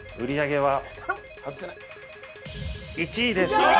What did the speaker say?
１位です。